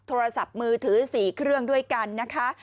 โทรศัพท์มือถือ๔เครื่องด้วยกันนะคะ